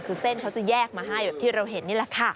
คือเส้นเขาจะแยกมาให้แบบที่เราเห็นนี่แหละค่ะ